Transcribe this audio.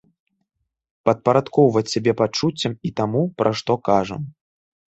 Падпарадкоўваць сябе пачуццям і таму, пра што кажам.